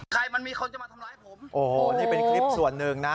ใครมันมีคนจะมาทำร้ายผมโอ้โหนี่เป็นคลิปส่วนหนึ่งนะ